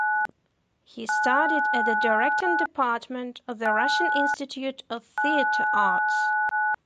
He studied at the directing department of the "Russian Institute of Theatre Arts".